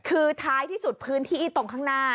คือท้ายที่สุดพื้นที่ตรงข้างหน้า